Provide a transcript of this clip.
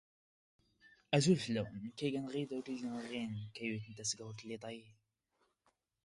ⵓⵔ ⵉⴼⴼⵓⵖ ⵎⴰⵢⴰⴷ.